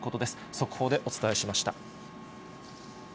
速報でお伝えしました。